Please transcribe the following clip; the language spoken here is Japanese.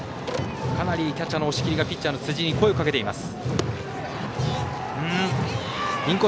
かなり、キャッチャーの押切がピッチャーの辻に声をかけています。